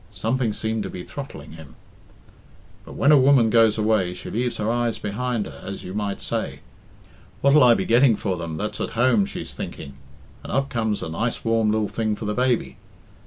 Something seemed to be throttling him. "But when a woman goes away she leaves her eyes behind her, as you might say. 'What'll I be getting for them that's at home?' she's thinking, and up comes a nice warm lil thing for the baby.